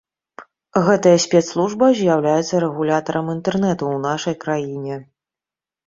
Гэтая спецслужба з'яўляецца рэгулятарам інтэрнэту ў нашай краіне.